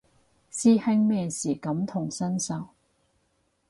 師兄咩事感同身受